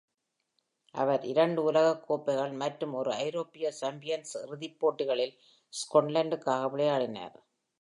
அவர் இரண்டு உலகக் கோப்பைகள் மற்றும் ஒரு ஐரோப்பிய சாம்பியன்ஸ் இறுதிப் போட்டிகளில் ஸ்காட்லாந்துக்காக விளையாடினார்.